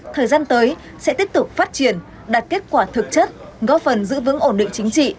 thời gian tới sẽ tiếp tục phát triển đạt kết quả thực chất góp phần giữ vững ổn định chính trị